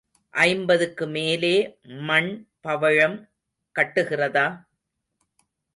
ஐம்பதுக்கு மேலே மண் பவழம் கட்டுகிறதா?